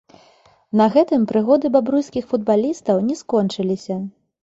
На гэтым прыгоды бабруйскіх футбалістаў не скончыліся.